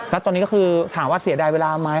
แล้วตอนนี้ก็คือถามว่าเสียดายเวลาไหม